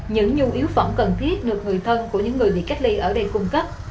những nhu yếu phẩm cần thiết được người thân của những người bị cách ly ở đây cung cấp